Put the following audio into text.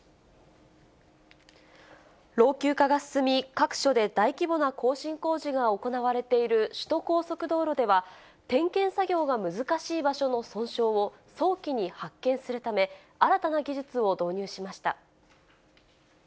老朽化が進み、各所で大規模な更新工事が行われている首都高速道路では、点検作業が難しい場所の損傷を、早期に発見するため、新たな技術を導入しました。